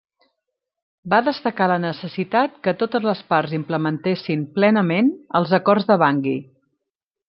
Va destacar la necessitat que totes les parts implementessin plenament els Acords de Bangui.